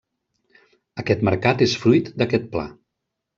Aquest mercat és fruit d'aquest pla.